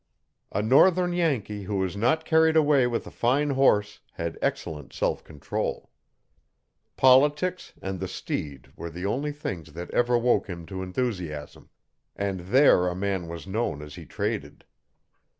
A Northern Yankee who was not carried away with a fine horse had excellent self control. Politics and the steed were the only things that ever woke him to enthusiasm, and there a man was known as he traded.